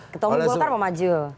ketua umum partai mau maju